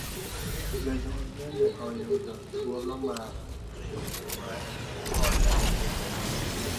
Jonyuol bende oyudo thuolo mar riwre koda nyithind gi.